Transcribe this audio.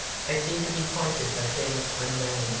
I seemed to be haunted by things unknown.